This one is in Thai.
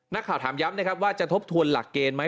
นักข่าวถามย้ำนะครับว่าจะทบทวนหลักเกณฑ์ไหม